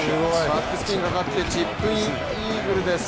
バックスピンがかかってチップインイーグルです。